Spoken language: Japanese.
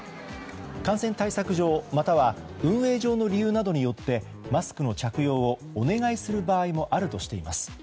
感染対策上または運営上の理由などによってマスクの着用をお願いする場合もあるとしています。